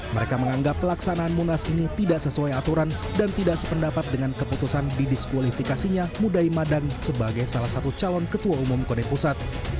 mereka menganggap pelaksanaan munas ini tidak sesuai aturan dan tidak sependapat dengan keputusan didiskualifikasinya mudai madang sebagai salah satu calon ketua umum koni pusat